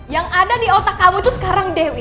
yang ada di otak kamu itu sekarang dewi